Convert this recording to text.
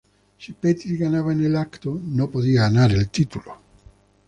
Si Pettis ganaba en el evento, no podía ganar el título.